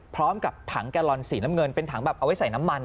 พร้อมกับถังแกลลอนสีน้ำเงินเป็นถังแบบเอาไว้ใส่น้ำมัน